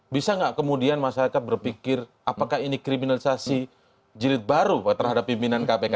bisa nggak kemudian masyarakat berpikir apakah ini kriminalisasi jilid baru terhadap pimpinan kpk